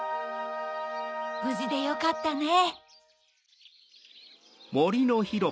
ぶじでよかったね。